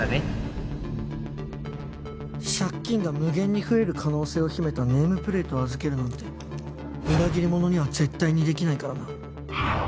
借金が無限に増える可能性を秘めたネームプレートを預けるなんて裏切り者には絶対にできないからな。